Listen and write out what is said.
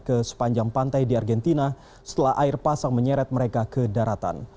ke sepanjang pantai di argentina setelah air pasang menyeret mereka ke daratan